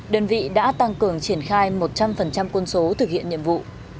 đơn vị đã tăng cường triển khai một trăm linh quân số thực hiện nhiệm vụ